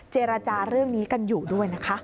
เจรจาเรื่องนี้กันอยู่ด้วยนะคะ